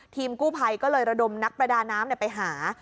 ทีมกู้ภัยก็เลยระดมนักประดาน้ำไปหา